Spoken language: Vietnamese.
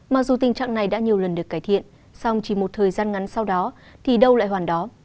mặc dù tình trạng này đã nhiều lần được cải thiện song chỉ một thời gian ngắn sau đó thì đâu lại hoàn đó